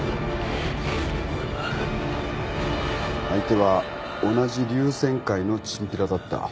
相手は同じ龍千会のちんぴらだった。